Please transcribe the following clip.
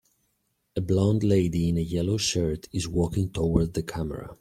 A blond lady in a yellow shirt is walking toward the camera.